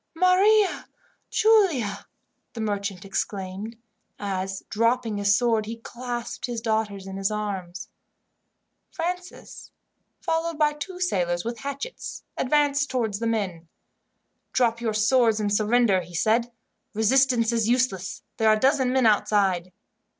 "Maria Giulia!" the merchant exclaimed, as, dropping his sword, he clasped his daughters in his arms. Francis, followed by the two sailors with hatchets, advanced towards the men. "Drop your swords and surrender," he said. "Resistance is useless. There are a dozen men outside."